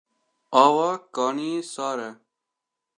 Ava kaniyê sar e.